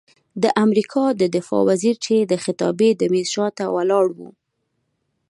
د امریکا د دفاع وزیر چې د خطابې د میز شاته ولاړ و،